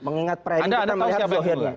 mengingat framing kita melihat akhirnya